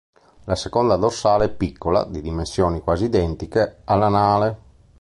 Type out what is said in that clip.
La seconda dorsale è piccola, di dimensioni quasi identiche all'anale.